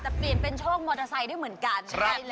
แต่เปลี่ยนเป็นโชคมอเตอร์ไซค์ด้วยเหมือนกัน